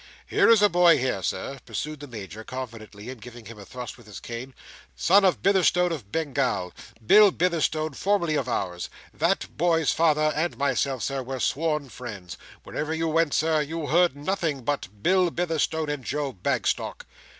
"Here is a boy here, Sir," pursued the Major, confidentially, and giving him a thrust with his cane. "Son of Bitherstone of Bengal. Bill Bitherstone formerly of ours. That boy's father and myself, Sir, were sworn friends. Wherever you went, Sir, you heard of nothing but Bill Bitherstone and Joe Bagstock.